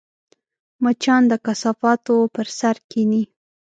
مچان د کثافاتو پر سر کښېني